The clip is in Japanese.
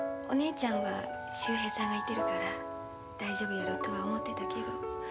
お姉ちゃんは秀平さんがいてるから大丈夫やろとは思てたけど。